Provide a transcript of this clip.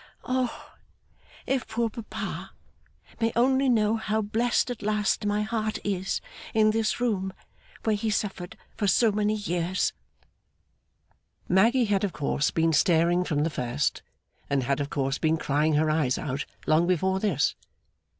O, if poor papa may only know how blest at last my heart is, in this room where he suffered for so many years!' Maggy had of course been staring from the first, and had of course been crying her eyes out long before this.